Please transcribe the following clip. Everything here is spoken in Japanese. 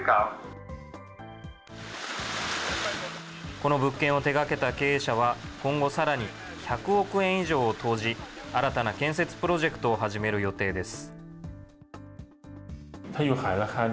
この物件を手がけた経営者は、今後さらに、１００億円以上を投じ、新たな建設プロジェクトを始める予定です。